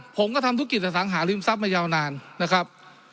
ผมก็ทำธุรกิจอสังหาริมทรัพย์มายาวนานนะครับ